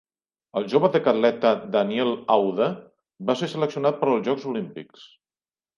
El jove decatleta Daniel Awde va ser seleccionat per als Jocs Olímpics.